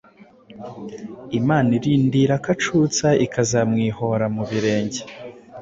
Imana irindira ko acutsa Ikazamwihora mu bwenge !